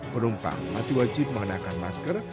penumpang masih wajib mengenakan masker